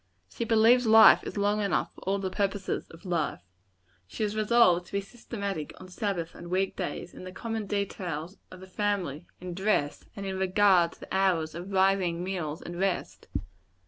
She believes life is long enough for all the purposes of life. She is resolved to be systematic on Sabbath and on week days; in the common details of the family; in dress; and in regard to the hours of rising, meals and rest.